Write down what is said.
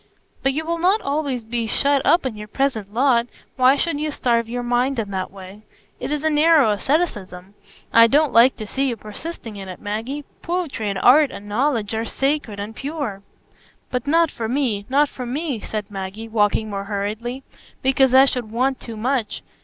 "But you will not always be shut up in your present lot; why should you starve your mind in that way? It is narrow asceticism; I don't like to see you persisting in it, Maggie. Poetry and art and knowledge are sacred and pure." "But not for me, not for me," said Maggie, walking more hurriedly; "because I should want too much.